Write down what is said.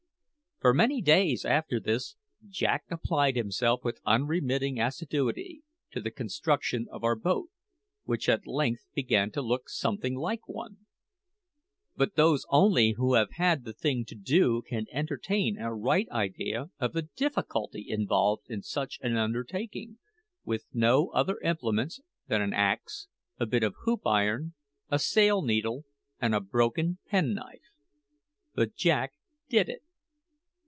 For many days after this, Jack applied himself with unremitting assiduity to the construction of our boat, which at length began to look something like one. But those only who have had the thing to do can entertain a right idea of the difficulty involved in such an undertaking, with no other implements than an axe, a bit of hoop iron, a sail needle, and a broken penknife. But Jack did it.